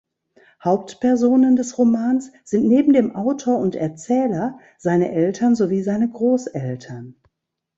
Hauptpersonen des Romans sind neben dem Autor und Erzähler seine Eltern sowie seine Großeltern.